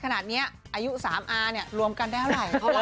ขนาดนี้อายุ๓อาเนี่ยรวมกันได้เท่าไหร่